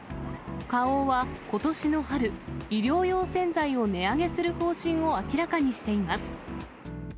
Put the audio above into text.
花王は、ことしの春、衣料用洗剤を値上げする方針を明らかにしています。